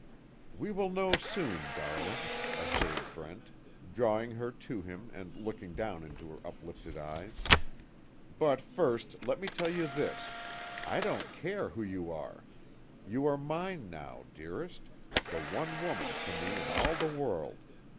"We will know soon, darling," assured Brent, drawing her to him and looking down into her up lifted eyes, "But, first let me tell you this I don't care who you are. You are mine, now, dearest the one woman for me in all the world.